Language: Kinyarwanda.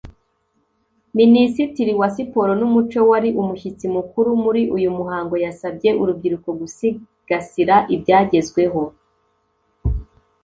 Minisitiri wa Siporo n’Umuco wari umushyitsi mukuru muri uyu muhango yasabye urubyiruko gusigasira ibyagezweho